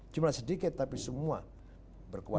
jumlah sedikit tapi semua berkualitas